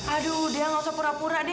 aduh udah nggak usah pura pura deh